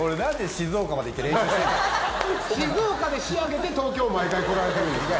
静岡で仕上げて東京毎回来られてるんですね。